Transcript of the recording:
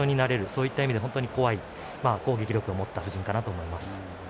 そういった意味で本当に怖い攻撃力を持った布陣かなと思います。